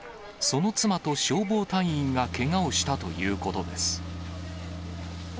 その妻と消防隊員がけがをしたということです。